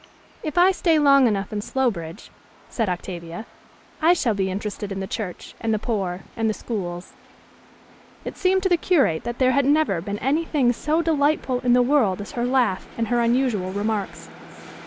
"If I stay long enough in Slowbridge," said Octavia, "I shall be interested in the church, and the poor, and the schools." It seemed to the curate that there had never been any thing so delightful in the world as her laugh and her unusual remarks.